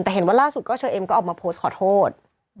แต่เห็นว่าล่าสุดก็เชอเอ็มก็ออกมาโพสต์ขอโทษ